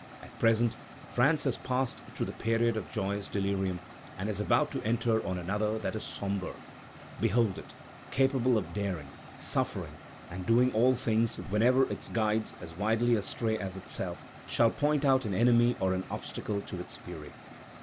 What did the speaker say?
At present, France has passed through the period of joyous delirium, and is about to enter on another that is sombre; behold it, capable of daring, suffering, and doing all things, whenever its guides, as widely astray as itself, shall point out an enemy or an obstacle to its fury."